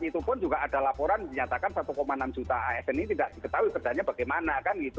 itu pun juga ada laporan menyatakan satu enam juta asn ini tidak diketahui kerjanya bagaimana kan gitu